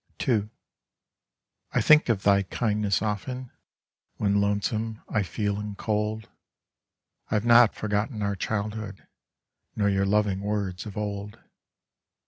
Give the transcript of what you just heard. II I think of thy kindness oTTen, when lonesome I feel and cold, I have not forgotten our childhood, nor your lovinst words of old.